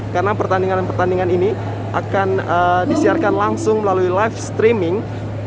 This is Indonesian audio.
karena pertandingan pertandingan ini akan disiarkan langsung melalui live streaming